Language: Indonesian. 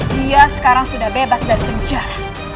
dia sekarang sudah bebas dari penjara